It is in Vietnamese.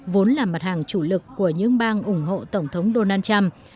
vốn là mặt hàng chủ lực của những bang ủng hộ tổng thống donald trump